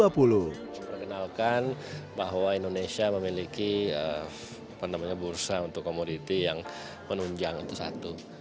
perkenalkan bahwa indonesia memiliki bursa untuk komoditi yang menunjang itu satu